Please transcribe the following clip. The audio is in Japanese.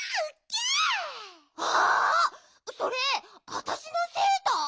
それあたしのセーター？